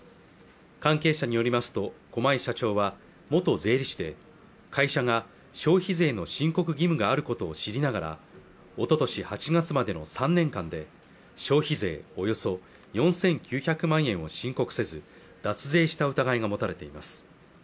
関係者によりますと駒井社長は元税理士で会社が消費税の申告義務があることを知りながらおととし８月までの３年間で消費税およそ４９００万円を申告せず脱税した疑いが持たれています